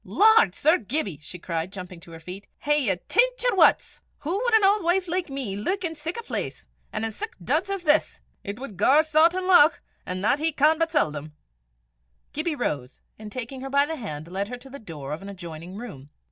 "Lord, Sir Gibbie!" she cried, jumping to her feet, "hae ye tint yer wuts? Hoo wad an auld wife like me luik in sic a place an' in sic duds as this? It wad gar Sawtan lauch, an' that he can but seldom." Gibbie rose, and taking her by the hand, led her to the door of an adjoining room.